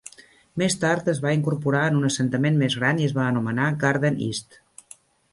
Més tard es va incorporar en un assentament més gran i es va anomenar Garden East.